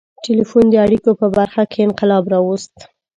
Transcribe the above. • ټیلیفون د اړیکو په برخه کې انقلاب راوست.